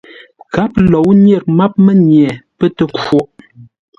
Gháp lǒu nyêr máp mənye pə́ tə khwôʼ.